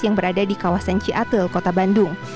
yang berada di kawasan ciatil kota bandung